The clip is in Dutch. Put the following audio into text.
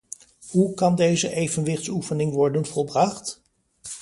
Hoe kan deze evenwichtsoefening worden volbracht?